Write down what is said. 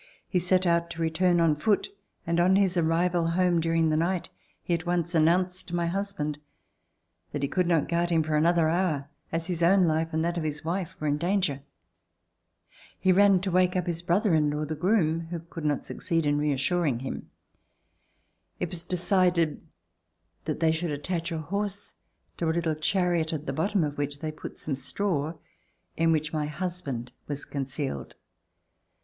He set out to return on foot, and on his arrival home during the night, he at once announced to my husband that he could not guard him for an other hour, as his own life and that of his wife were in danger. He ran to wake up his brother in law, the RECOLLECTIONS OF THE REVOLUTION groom, who could not succeed in reassuring him. It was decided that they should attach a horse to a little chariot, at the bottom of which they put some straw in which my husband was concealed.